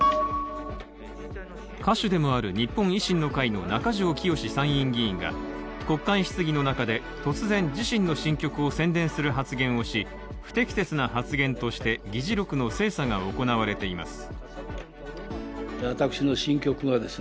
歌手でもある日本維新の会の中条きよし参院議員が国会質疑の中で突然自身の新曲を宣伝する発言をし不適切な発言として議事録の精査が行われています。